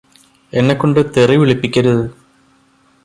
എന്നെക്കൊണ്ട് തെറി വിളിപ്പിക്കരുത്